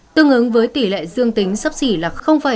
tương ứng với tỷ lệ dương tính sắp xỉ là bốn